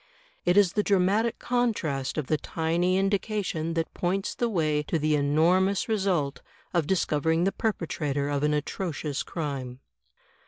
It is the dramatic contrast of the tiny indication that points the way to the enormous result of discovering the perpetrator of an atrocious crime.